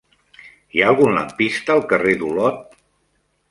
Hi ha algun lampista al carrer d'Olot?